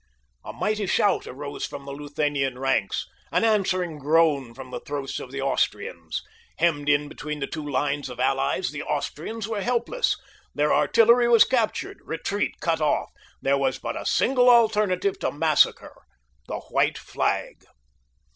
A mighty shout rose from the Luthanian ranks—an answering groan from the throats of the Austrians. Hemmed in between the two lines of allies, the Austrians were helpless. Their artillery was captured, retreat cut off. There was but a single alternative to massacre—the white flag.